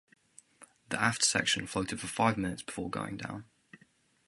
The aft section floated for five minutes before going down.